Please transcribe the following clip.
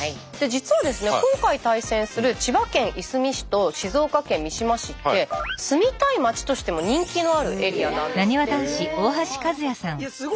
実はですね今回対戦する千葉県いすみ市と静岡県三島市って住みたい町としても人気のあるエリアなんですって。